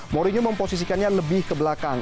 mourinho memposisikannya lebih ke belakang